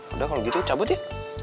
udah kalau gitu cabut ya